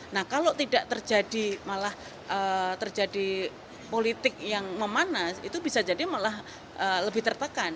nah kalau tidak terjadi malah terjadi politik yang memanas itu bisa jadi malah lebih tertekan